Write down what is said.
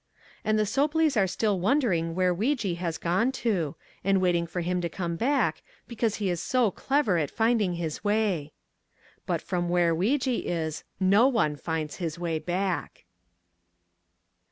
And the Sopleys are still wondering where Weejee has gone to, and waiting for him to come back, because he is so clever at finding his way. But from where Weejee is, no one finds his way back.